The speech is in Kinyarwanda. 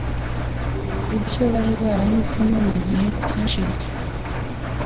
Ibyo bari baranyuzemo mu gihe cyashize